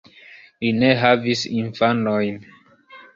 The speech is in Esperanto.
Li ne havis infanojn.